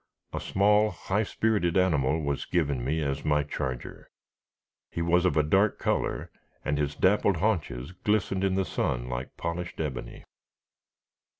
A small, high spirited animal was given me as my charger. He was of a dark color, and his dappled haunches glistened in the sun like polished ebony.